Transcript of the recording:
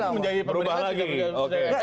nanti menjadi pemerintah